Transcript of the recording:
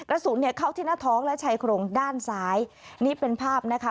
กระสุนเนี่ยเข้าที่หน้าท้องและชายโครงด้านซ้ายนี่เป็นภาพนะคะ